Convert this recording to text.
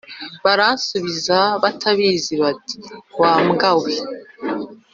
Baransubiza batabizi bati wa mbwa we